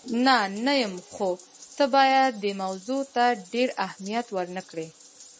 نه، نه یم، خو ته باید دې موضوع ته ډېر اهمیت ور نه کړې.